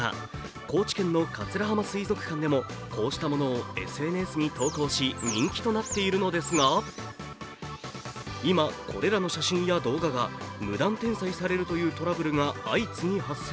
高知県の桂浜水族館でもこうしたものをＳＮＳに投稿し、人気となっているのですが今、これらの写真や動画が無断転載されるというトラブルが相次ぎ発生。